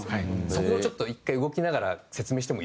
そこをちょっと１回動きながら説明してもいいですか？